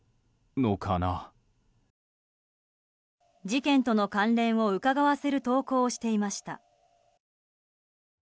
事件との関連をうかがわせる投稿をしていました。